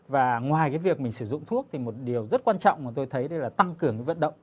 và ngoài cái việc mình sử dụng thuốc thì một điều rất quan trọng mà tôi thấy đây là tăng cường cái vận động